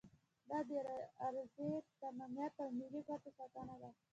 دا د ارضي تمامیت او ملي ګټو ساتنه ده.